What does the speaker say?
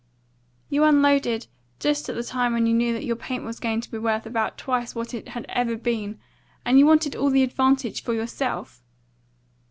"You unloaded just at the time when you knew that your paint was going to be worth about twice what it ever had been; and you wanted all the advantage for yourself."